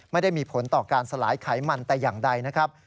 ไม่ได้มีผลต่อการสลายไขมันแต่อย่างใดนะครับ